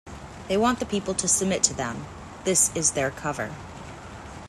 They want the people to submit to them, this is their cover.